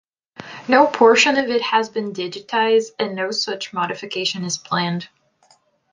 No portion of it has been digitized and no such modification is planned.